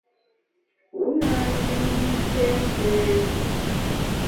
U na nji mùn kèn kène.